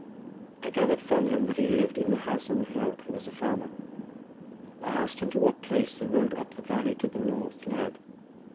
I gathered from him that he lived in the house on the hill, and was a farmer. I asked him to what place the road up the valley to the north led.